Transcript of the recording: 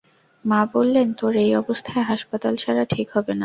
মা বললেন, তোর এই অবস্থায় হাসপাতাল ছাড়া ঠিক হবে না।